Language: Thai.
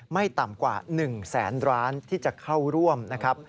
ไม่ต่ำกว่า๑แสนร้านที่จะเข้าร่วมนะครับ